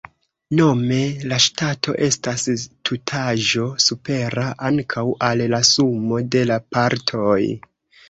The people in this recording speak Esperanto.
Nome, la Ŝtato estas tutaĵo supera ankaŭ al la sumo de la partoj.